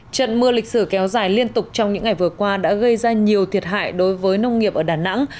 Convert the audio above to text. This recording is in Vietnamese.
trận mưa lịch sử kéo dài liên tục trong những ngày vừa qua đã gây ra nhiều thiệt hại đối với nông nghiệp ở đà nẵng